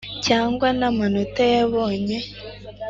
cyangwa na manota yabonye,